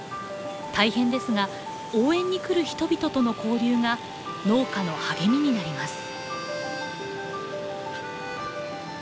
大変ですが応援に来る人々との交流が農家の励みになります。